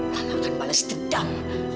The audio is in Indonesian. mama akan balas dendam